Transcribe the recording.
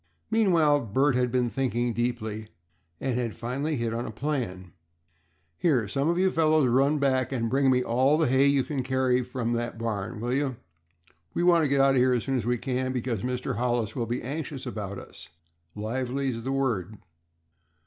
Meanwhile Bert had been thinking deeply, and had finally hit on a plan. "Here, some of you fellows, run back and bring me all the hay you can carry from that barn, will you? We want to get out of here as soon as we can, because Mr. Hollis will be anxious about us. Lively's the word."